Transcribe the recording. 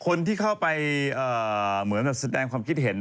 คนที่เข้าไปเหมือนแสดงความคิดเห็น